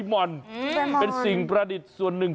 หม่อนเป็นสิ่งประดิษฐ์ส่วนหนึ่ง